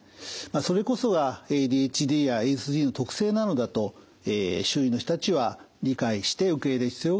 それこそがＡＤＨＤやＡＳＤの特性なのだと周囲の人たちは理解して受け入れる必要があると思います。